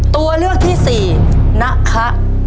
ตัวเลือกที่สี่นะคะ